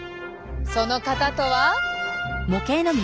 その方とは。